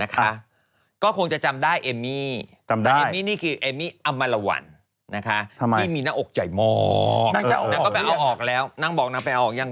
สมองทุบด้วยหรือเปล่า